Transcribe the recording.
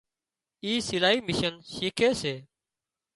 اِي سلائي مِشين شيکي سي